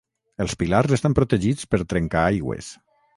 Els pilars estan protegits per trencaaigües.